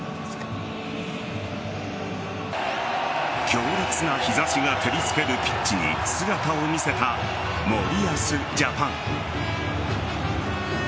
強烈な日差しが照りつけるピッチに姿を見せた森保ジャパン。